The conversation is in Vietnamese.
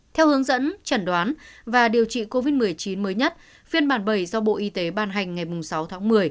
theo hướng dẫn chẩn đoán và điều trị covid một mươi chín mới nhất phiên bản bảy do bộ y tế ban hành ngày sáu tháng một mươi